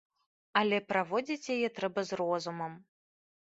Але праводзіць яе трэба з розумам!